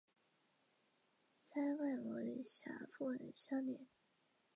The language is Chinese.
一些学者在阿拉伯南部的一些铭文中确定卡伊斯的事迹。